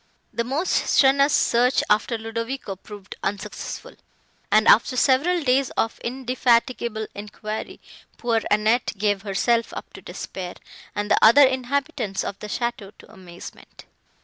The most strenuous search after Ludovico proved unsuccessful, and, after several days of indefatigable enquiry, poor Annette gave herself up to despair, and the other inhabitants of the château to amazement.